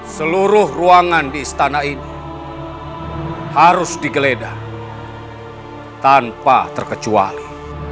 seluruh ruangan di istana ini harus digeledah tanpa terkecuali